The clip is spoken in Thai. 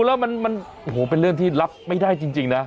เราดูแล้วมันเป็นเรื่องที่รับไม่ได้จริงนะ